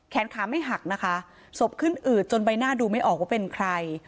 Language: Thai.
ขาไม่หักนะคะศพขึ้นอืดจนใบหน้าดูไม่ออกว่าเป็นใคร